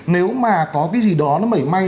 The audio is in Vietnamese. nếu mà có cái gì đó nó mẩy may